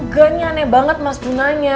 ganya aneh banget mas dunanya